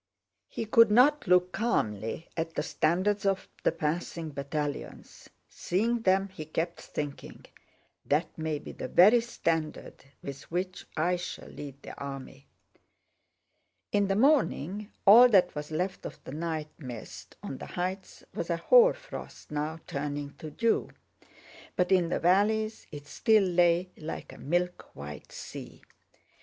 He could not look calmly at the standards of the passing battalions. Seeing them he kept thinking, "That may be the very standard with which I shall lead the army." In the morning all that was left of the night mist on the heights was a hoar frost now turning to dew, but in the valleys it still lay like a milk white sea.